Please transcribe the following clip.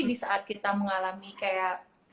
di saat kita mengalami kayak